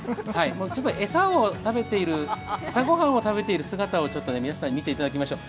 餌を食べている、朝ご飯を食べてる姿を皆さんに見ていただきましょう。